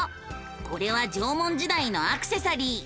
これは縄文時代のアクセサリー。